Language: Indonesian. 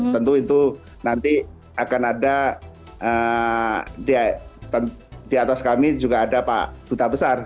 tentu itu nanti akan ada di atas kami juga ada pak duta besar